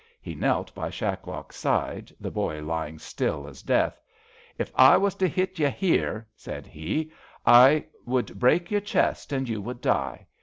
He knelt by Shacklock 's side, the boy lying still as death. *^ If I was to hit you here," said he, I would break your chest, an' you would die.